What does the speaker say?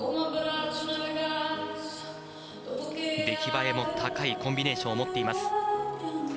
出来栄えも高いコンビネーションを持っています。